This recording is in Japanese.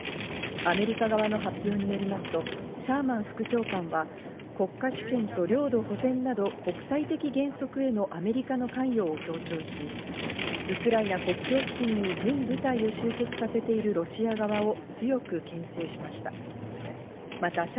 アメリカ側の発表によりますと、シャーマン副長官は国家試験と領土保全など国際的原則へのアメリカの関与を強調し、ウクライナ国境付近に軍部隊を集結させているロシア側を強くけん制しました。